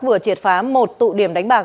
vừa triệt phá một tụ điểm đánh bạc